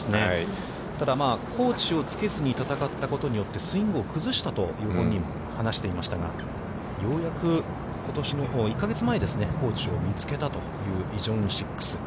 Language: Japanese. ただ、コーチをつけずに戦ったことによって、スイングを崩したという本人も話していましたが、ようやくことしの、１か月前ですね、コーチを見つけたというイ・ジョンウン６。